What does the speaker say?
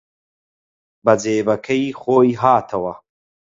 بە جێبەکەی خۆی هاتەوە